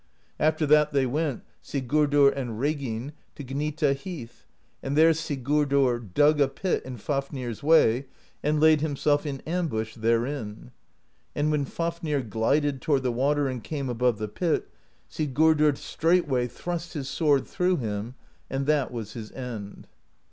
After that they went, Sigurdr and Reginn, to Gnita Heath, and there Sigurdr dug a pit in Fafnir's way and laid him self in ambush therein. And when Fafnir glided toward the water and came above the pit, Sigurdr straightway thrust his sword through him, and that was his end.